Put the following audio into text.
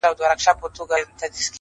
ستا غمونه ستا دردونه زما بدن خوري ؛